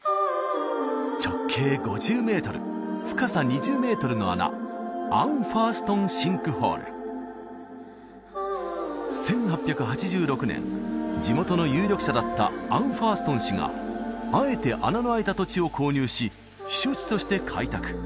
直径５０メートル深さ２０メートルの穴１８８６年地元の有力者だったアンファーストン氏があえて穴のあいた土地を購入し避暑地として開拓